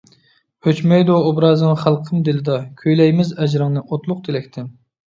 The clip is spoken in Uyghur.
ئۆچمەيدۇ ئوبرازىڭ خەلقىم دىلىدا، كۈيلەيمىز ئەجرىڭنى ئوتلۇق تىلەكتىن.